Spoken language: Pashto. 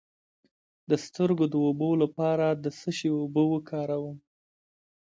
د سترګو د اوبو لپاره د څه شي اوبه وکاروم؟